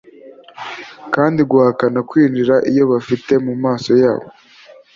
Kandi guhakana kwinjira iyo babifite mumaso yabo